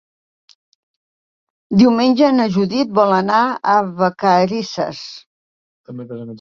Diumenge na Judit vol anar a Vacarisses.